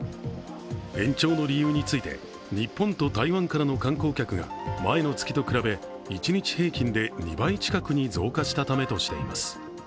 延長の理由について、日本と台湾からの観光客が前の月と比べ、一日平均で２倍近くに増加したためとしています。